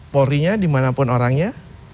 polri nya dimanapun orangnya